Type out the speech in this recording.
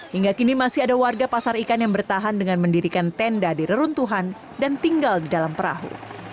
hingga kini masih ada warga pasar ikan yang bertahan dengan mendirikan tenda di reruntuhan dan tinggal di dalam perahu